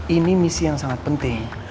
ini misi yang sangat penting